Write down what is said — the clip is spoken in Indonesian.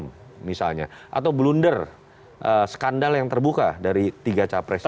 ada kasus hukum misalnya atau blunder skandal yang terbuka dari tiga capres ini